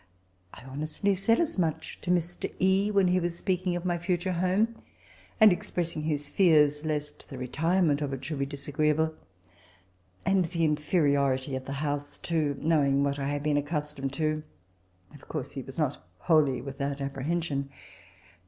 I honestly said as much to Mr. E. when he was speaking of my fhture home, and expressing bis fears lest the retirement of it should be disagreeable ; and the inferiority of the house too knowing what I had been accustomed to — of course he was not wholly without apprehension.